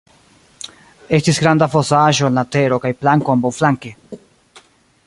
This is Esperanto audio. Estis granda fosaĵo en la tero kaj planko ambaŭflanke.